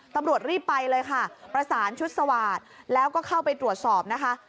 ตำรวจรีบไปเลยค่ะประสานชุดสวาสตร์แล้วก็เข้าไปตรวจสอบนะคะ